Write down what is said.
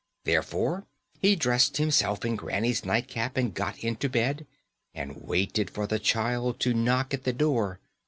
Therefore he dressed himself in granny's nightcap and got into bed, and waited for the child to knock at the door.